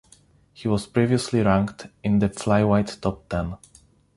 He was previously ranked in the flyweight top ten.